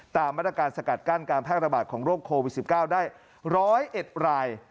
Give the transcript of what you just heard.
ตามมาตรการสกัดกั้นการแพร่ระบาดของโรคโควิด๑๙ได้๑๐๑ราย